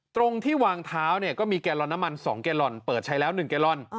ตรงที่วางเท้าเนี่ยก็มีแกลลอนน้ำมัน๒แกลลอนเปิดใช้แล้ว๑แกลลอน